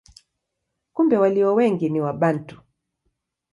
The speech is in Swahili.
Kumbe walio wengi ni Wabantu.